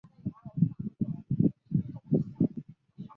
清朝品等为从一品。